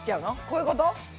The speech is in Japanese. こういうこと？